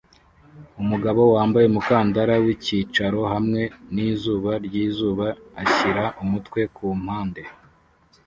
Umugabo wambaye umukandara wicyicaro hamwe nizuba ryizuba ashyira umutwe kumpande